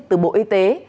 từ bộ y tế